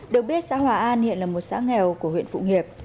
được biết xã hòa an hiện là một xã nghèo của huyện phụng hiệp